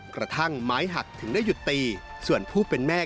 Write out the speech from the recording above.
กระทั่งไม้หักถึงได้หยุดตีส่วนผู้เป็นแม่